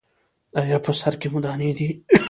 ایا په سر کې مو دانې دي؟